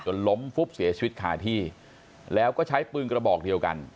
ล้มฟุบเสียชีวิตคาที่แล้วก็ใช้ปืนกระบอกเดียวกัน